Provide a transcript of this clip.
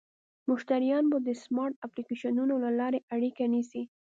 مشتریان به د سمارټ اپلیکیشنونو له لارې اړیکه نیسي.